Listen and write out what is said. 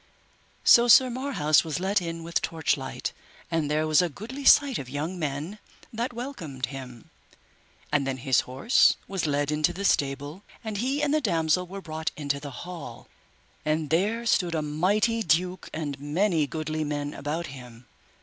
So Sir Marhaus was let in with torchlight, and there was a goodly sight of young men that welcomed him. And then his horse was led into the stable, and he and the damosel were brought into the hall, and there stood a mighty duke and many goodly men about him.